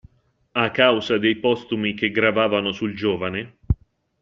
A causa dei postumi che gravavano sul giovane.